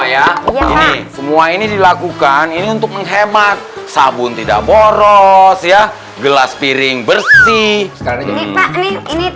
ya hai semua ini dilakukan untuk menghemat sabun tidak boros ya gelas piring bersih kasih ini ini